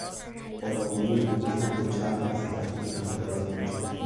اتومبیل به سمت چپ و سپس به سمت راست پیچید.